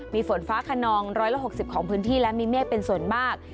มีฝนฟ้าขนอง๑๖๐ของพื้นที่และมีเมฆเป็นส่วนมาก